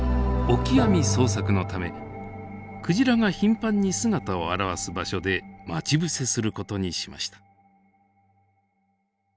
オキアミ捜索のためクジラが頻繁に姿を現す場所で待ち伏せする事にしました。